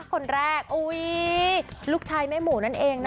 คนแรกลูกชายแม่หมูนั่นเองนะ